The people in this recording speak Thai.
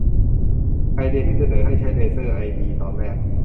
ไอเดียที่เสนอให้ใช้เลเซอร์ไอดีตอนแรก